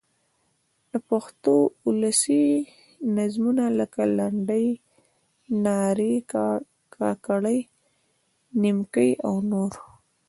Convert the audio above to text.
د پښتو اولسي نظمونه؛ لکه: لنډۍ، نارې، کاکړۍ، نیمکۍ او نور.